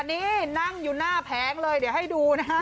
นี่นั่งอยู่หน้าแผงเลยเดี๋ยวให้ดูนะฮะ